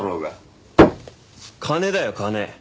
金だよ金。